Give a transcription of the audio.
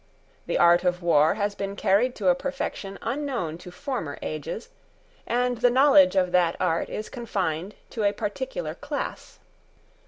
The art of war has been carried to a perfection unknown to former ages; and the knowledge of that art is confined to a particular class.